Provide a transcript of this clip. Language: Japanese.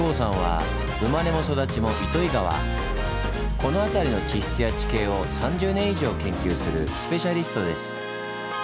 この辺りの地質や地形を３０年以上研究するスペシャリストです。